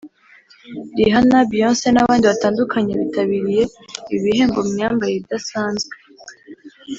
Rihanna Beyonce n’abandi batandukanye bitabiriye ibi bihembo mu myambarire idasanzwe